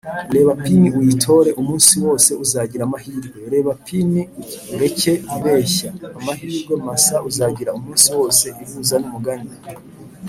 reba pin uyitore, umunsi wose uzagira amahirwe; reba pin ureke ibeshya, amahirwe masa uzagira umunsi wose ihuza numugani